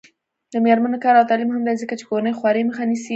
د میرمنو کار او تعلیم مهم دی ځکه چې کورنۍ خوارۍ مخه نیسي.